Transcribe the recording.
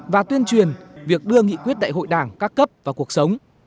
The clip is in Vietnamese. và tuyên truyền việc đưa nghị quyết đại hội đảng các cấp vào cuộc sống